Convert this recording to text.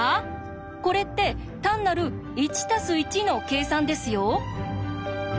これって単なる「１＋１」の計算ですよ。